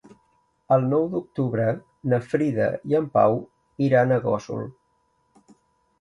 El nou d'octubre na Frida i en Pau iran a Gósol.